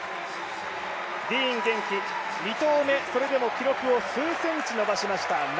ディーン元気、２投目それでも記録を数センチ伸ばしました。